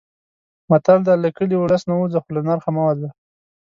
متل دی: له کلي، اولس نه ووځه خو له نرخه مه وځه.